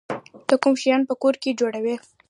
ته کوم شیان په کور کې جوړوی؟